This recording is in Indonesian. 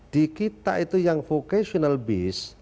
di kita itu yang vocational base